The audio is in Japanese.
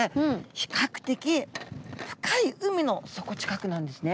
比較的深い海の底近くなんですね。